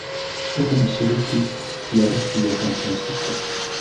Uko mashariki ya rasi ya San Francisco.